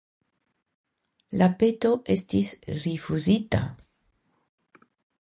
La peto estis rifuzita.